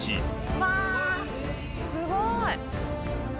うわすごい！